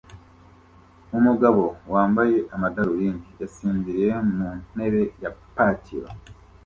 Umugabo wambaye amadarubindi yasinziriye mu ntebe ya patio